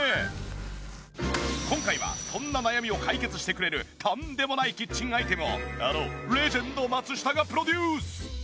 今回はそんな悩みを解決してくれるとんでもないキッチンアイテムをあのレジェンド松下がプロデュース。